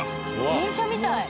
電車みたい！